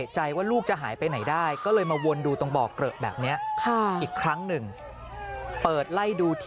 จนกระทั่งเจอ